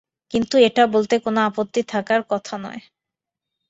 কিন্তু এটা বলতে কোনো আপত্তি থাকার কথা নয়।